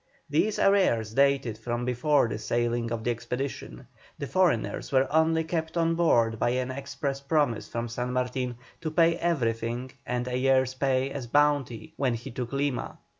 These arrears dated from before the sailing of the expedition; the foreigners were only kept on board by an express promise from San Martin to pay everything and a year's pay as bounty, when he took Lima.